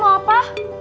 kalian mau apa